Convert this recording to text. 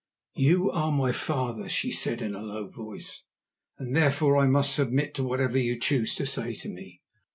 "You are my father," she said in a low voice, "and therefore I must submit to whatever you choose to say to me.